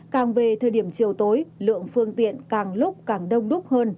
càng về thời điểm chiều tối lượng phương tiện càng lúc càng đông đúc hơn